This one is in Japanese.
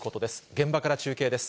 現場から中継です。